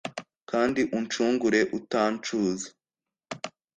kandi uncungure utancuza